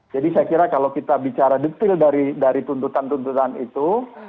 jadi saya kira kalau kita bicara detail dari tuntutan tuntutan itu